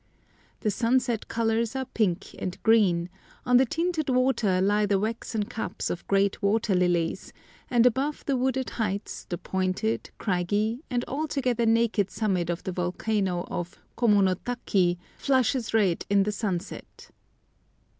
The sunset colours are pink and green; on the tinted water lie the waxen cups of great water lilies, and above the wooded heights the pointed, craggy, and altogether naked summit of the volcano of Komono taki flushes red in the sunset.